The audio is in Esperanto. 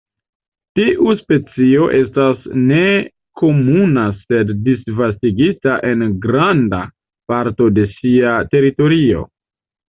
Tiu specio estas nekomuna sed disvastigita en granda parto de sia teritorio.